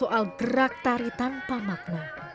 soal gerak tari tanpa makna